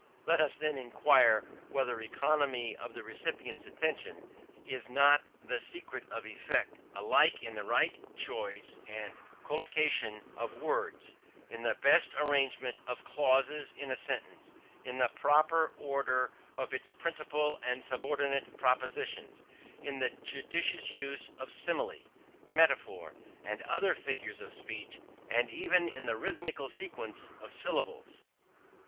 Let us then inquire whether economy of the recipient's attention is not the secret of effect, alike in the right choice and collocation of words, in the best arrangement of clauses in a sentence, in the proper order of its principal and subordinate propositions, in the judicious use of simile, metaphor, and other figures of speech, and even in the rhythmical sequence of syllables.